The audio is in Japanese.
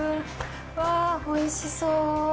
わ、おいしそう。